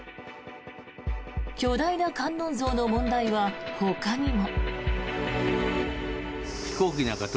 巨大な観音像の問題はほかにも。